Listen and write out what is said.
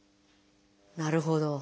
なるほど。